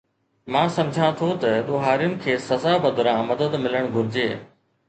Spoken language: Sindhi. مان سمجهان ٿو ته ڏوهارين کي سزا بدران مدد ملڻ گهرجي